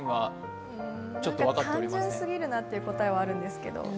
単純すぎるなという答えはあるんですけど。